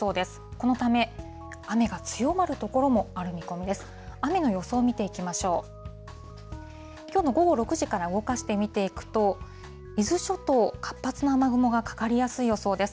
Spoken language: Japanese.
このため、雨が強まる所もある見込みです。